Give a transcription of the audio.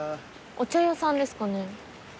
お茶屋さんですかね？